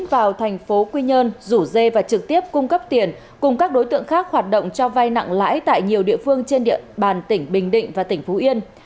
vào thành phố quy nhơn rủ dê và trực tiếp cung cấp tiền cùng các đối tượng khác hoạt động cho vai nặng lãi tại nhiều địa phương trên địa bàn tỉnh bình định và tỉnh phú yên